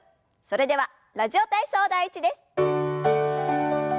それでは「ラジオ体操第１」です。